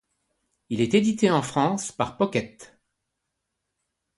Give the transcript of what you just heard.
Il est édité en France par Pocket.